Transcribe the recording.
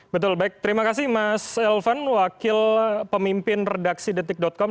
betul baik terima kasih mas elvan wakil pemimpin redaksi detik com